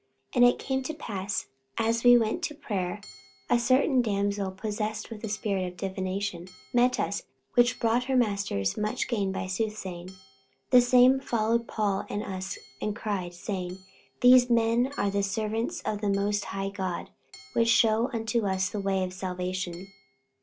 44:016:016 And it came to pass, as we went to prayer, a certain damsel possessed with a spirit of divination met us, which brought her masters much gain by soothsaying: 44:016:017 The same followed Paul and us, and cried, saying, These men are the servants of the most high God, which shew unto us the way of salvation.